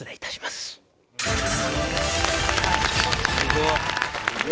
すごいね。